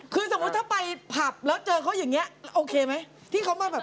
คือสมมุติถ้าไปผับแล้วเจอเขาอย่างนี้โอเคไหมที่เขามาแบบ